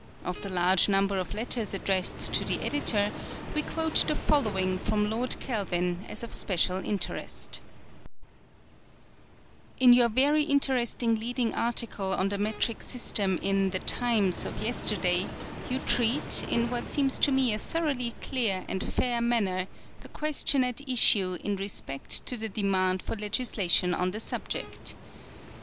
Of the large number of letters addressed to the editor we quote the following from Lord Kelvin as of special interest :" In your very interesting leading article on the metric system in The Times of yes terday you treat, in what seems to me a thoroughly clear and fair manner, the ques tion at issue in respect to the demand for legislation on the subject.